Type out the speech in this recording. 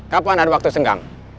kapan ada waktu senggang